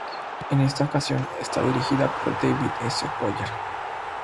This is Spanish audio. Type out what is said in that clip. En esta ocasión es dirigida por David S. Goyer.